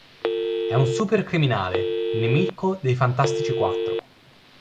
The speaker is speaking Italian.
È un supercriminale, nemico dei Fantastici Quattro.